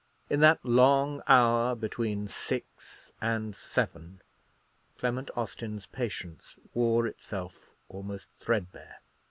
In that long hour between six and seven, Clement Austin's patience wore itself almost threadbare.